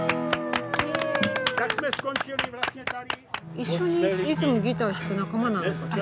一緒にいつもギター弾く仲間なのかしら？